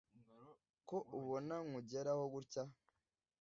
ko ubona nkugeraho gutya